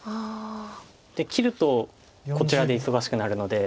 で切るとこちらで忙しくなるので。